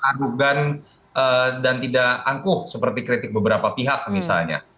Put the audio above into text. adugan dan tidak angkuh seperti kritik beberapa pihak misalnya